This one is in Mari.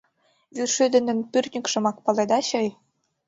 — Вӱршудо ден пӱртньыкшымак паледа чай?